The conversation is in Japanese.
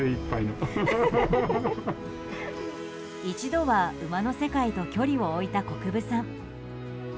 一度は馬の世界と距離を置いた国分さん。